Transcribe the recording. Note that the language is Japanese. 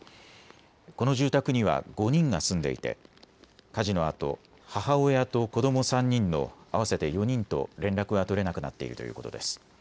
この住宅には５人が住んでいて火事のあと、母親と子ども３人の合わせて４人と連絡が取れなくなっているということです。